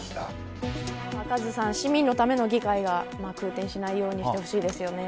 カズさん、市民のための議会が空転しないようにしてほしいですね。